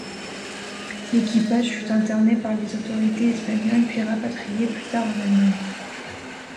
L'équipage fut interné par les autorités espagnoles, puis rapatrié plus tard en Allemagne.